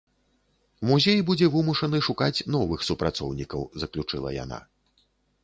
Музей будзе вымушаны шукаць новых супрацоўнікаў, заключыла яна.